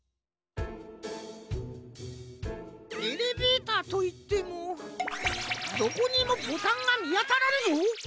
エレベーターといってもどこにもボタンがみあたらんぞ。